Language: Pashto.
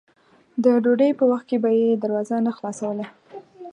د ډوډۍ په وخت کې به یې دروازه نه خلاصوله.